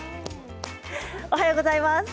おはようございます。